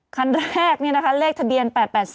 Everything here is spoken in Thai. คันแรกนี่นะคะเลขทะเบียน๘๘๔